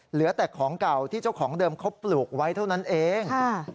เหลือแต่ของเก่าที่เจ้าของเดิมเขาปลูกไว้เท่านั้นเอง